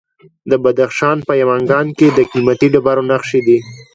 د بدخشان په یمګان کې د قیمتي ډبرو نښې دي.